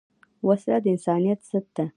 وسله د انسانیت ضد ده